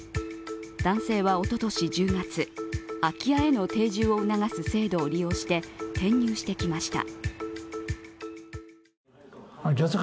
男性はおととし１０月、空き家への定住を促す制度を利用して転入してきました。